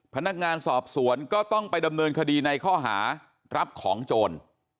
พนักงานสอบสวนก็ต้องไปดำเนินคดีในข้อหารับของโจร